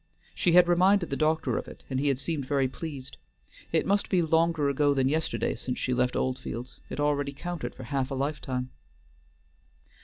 She had reminded the doctor of it and he had seemed very pleased. It must be longer ago than yesterday since she left Oldfields, it already counted for half a lifetime.